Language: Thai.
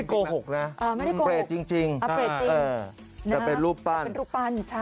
ขอบคุณครับ